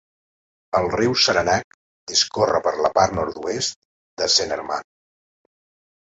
El riu Saranac discorre per la part nord-oest de Saint Armand.